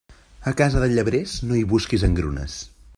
A casa de llebrers, no hi busquis engrunes.